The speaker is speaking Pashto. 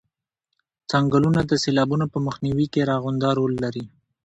څنګلونه د سیلابونو په مخنیوي کې رغنده رول لري